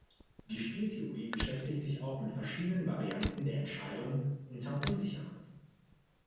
Die Spieltheorie beschäftigt sich auch mit verschiedenen Varianten der Entscheidung unter Unsicherheit.